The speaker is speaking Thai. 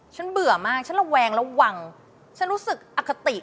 เบื่อมากฉันระแวงระวังฉันรู้สึกอคติ